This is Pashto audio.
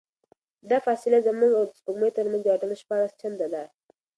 دا فاصله زموږ او د سپوږمۍ ترمنځ د واټن شپاړس چنده ده.